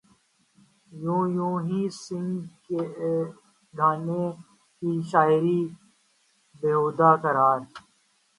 you yo Honey Singh کے گانے کی شاعری بیہودہ قرار